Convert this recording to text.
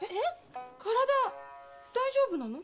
体大丈夫なの？